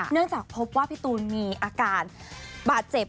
เนื่องจากพบว่าพี่ตูนมีอาการบาดเจ็บ